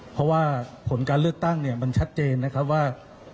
เพราะว่าผลการเลือกตั้งเนี่ยมันชัดเจนนะครับว่า